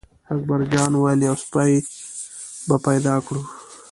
اکبر جان وویل: یو سپی به پیدا کړو.